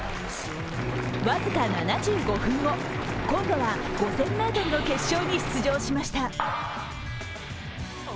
僅か７５分後、今度は５０００ｍの決勝に出場しました。